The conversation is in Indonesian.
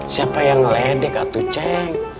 siapa yang ngeledek atuh ceng